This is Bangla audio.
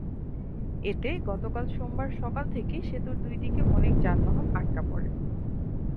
এতে গতকাল সোমবার সকাল থেকে সেতুর দুই দিকে অনেক যানবাহন আটকা পড়ে।